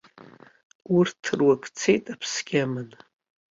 Урҭ руакы цеит, аԥсгьы аман.